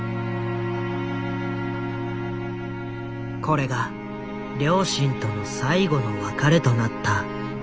これが両親との最後の別れとなった。